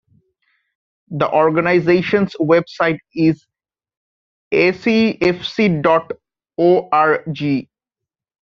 The organization's web site is acfc dot org.